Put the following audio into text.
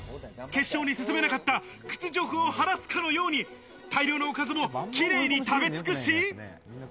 決勝に進めなかった屈辱をはらすかのように大量のおかずもキレイに食べつくし。